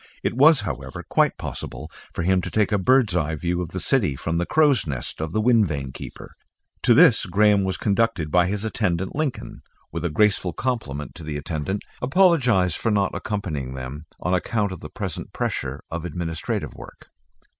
It was, however, quite possible for him to take a bird's eye view of the city from the crow's nest of the wind vane keeper. To this accordingly Graham was conducted by his attendant. Lincoln; with a graceful compliment to the attendant, apologised for not accompanying them, on account of the present pressure of administrative work.